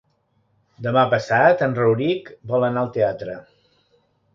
Demà passat en Rauric vol anar al teatre.